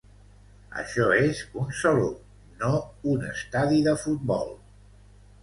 Això és un saló, no un estadi de futbol.